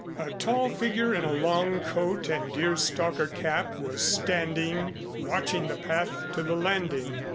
A tall figure in a long coat and deer stalker cap was standing watching the path to the landing.